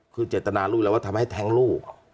คือเจตนาลูกแล้วว่าทำให้แท้งลูก